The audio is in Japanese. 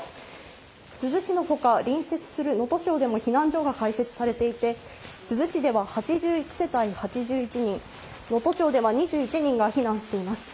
珠洲市のほか、隣接する能登町でも避難所が開設されていて、珠洲市では８１世帯８１人、能登町では２１人が避難しています。